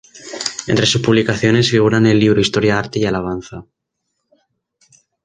Entre sus publicaciones figuran el libro "Historia, Arte y Alabanza.